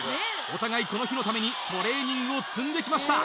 お互いこの日のためにトレーニングを積んで来ました。